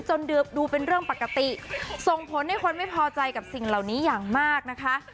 ดูเป็นเรื่องปกติส่งผลให้คนไม่พอใจกับสิ่งเหล่านี้อย่างมากนะคะ